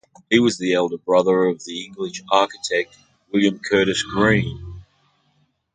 He was the elder brother of the English architect William Curtis Green.